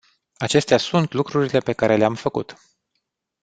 Acestea sunt lucrurile pe care le-am făcut.